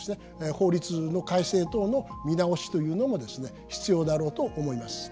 法律の改正等の見直しというのもですね必要だろうと思います。